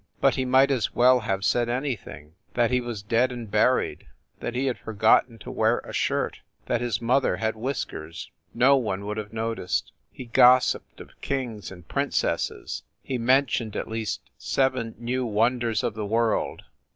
But he might as well have said anything that he was dead and buried that he had forgotten to wear a shirt, that his mother had whiskers. No one would have noticed. He gossiped of kings and princesses, he mentioned at least seven new wonders of the world.